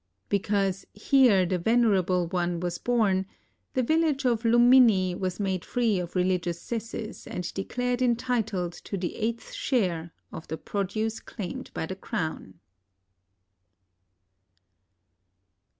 Because ''Here the Venerable One was bom" the \'il lage of Lummini was made free of rehgious cesses and declared entitled to the eighth share (of the produce claimed by the Crown).